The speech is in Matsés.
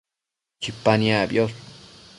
Chipa niacbiosh